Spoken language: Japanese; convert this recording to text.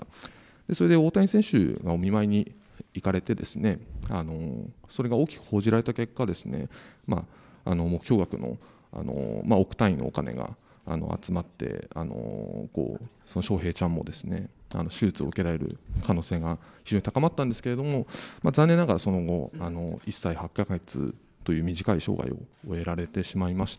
それで大谷選手がお見舞いに行かれて、それが大きく報じられた結果ですね、目標額の億単位のお金が集まったしょうへいちゃんも手術を受けられる可能性が非常に高まったんですけれども、残念ながらその後、１歳８か月という短い生涯を終えられてしまいました。